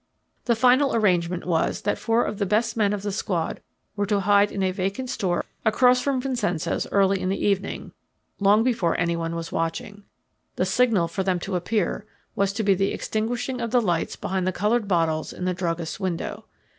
The final arrangement was that four of the best men of the squad were to hide in a vacant store across from Vincenzo's early in the evening, long before anyone was watching. The signal for them to appear was to be the extinguishing of the lights behind the coloured bottles in the druggist's window.